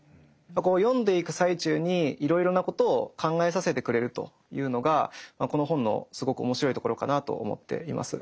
読んでいく最中にいろいろなことを考えさせてくれるというのがこの本のすごく面白いところかなと思っています。